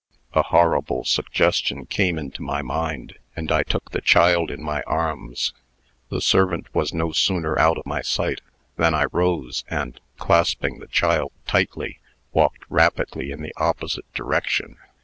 A horrible suggestion came into my mind, and I took the child in my arms. The servant was no sooner out of my sight, than I rose, and, clasping the child tightly, walked rapidly in the opposite direction.